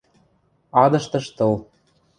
Адыштыш тыл...